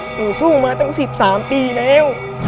หนูสู้มาตั้ง๑๓ปีแล้ว